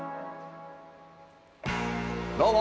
どうも！